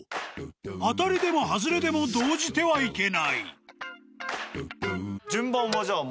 ［当たりでも外れでも動じてはいけない］